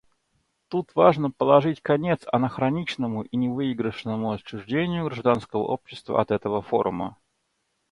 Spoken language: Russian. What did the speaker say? Тут важно положить конец анахроничному и невыигрышному отчуждению гражданского общества от этого форума.